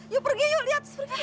yuk pergi yuk liat